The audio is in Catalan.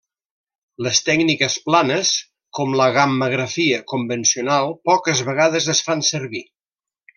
Les tècniques planes, com la gammagrafia convencional, poques vegades es fan servir.